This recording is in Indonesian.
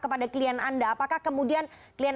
kepada klien anda apakah kemudian klien